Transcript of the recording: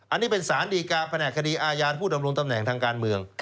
อันนี้เป็นสารดีการแผนกคดีอาญาผู้ดำรงตำแหน่งทางการเมือง